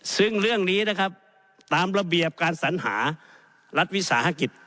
ซึ่งเรื่องนี้นะครับตามระเบียบการสัญหารัฐวิสาหกิจ